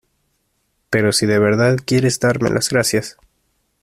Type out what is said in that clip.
pero si de verdad quieres darme las gracias